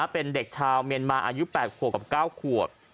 เป็นเด็กชาวเมียนมาอายุ๘ขวบกับ๙ขวบ